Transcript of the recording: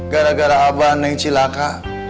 gara gara abah naik cilaka